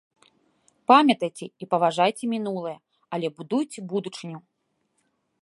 Памятайце і паважайце мінулае, але будуйце будучыню!